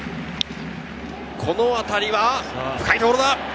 この当たりは深いところだ。